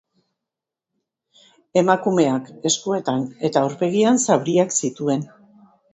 Emakumeak eskuetan eta aurpegian zauriak zituen.